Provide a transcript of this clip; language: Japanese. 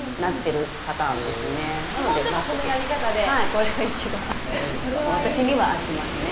これが一番私には合ってますね。